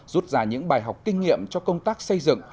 rút ra những bài học kinh nghiệm cho công tác xây dựng